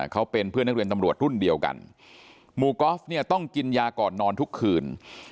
เขาเป็นเพื่อนนักเรียนตำรวจรุ่นเดียวกันหมู่กอล์ฟเนี่ยต้องกินยาก่อนนอนทุกคืน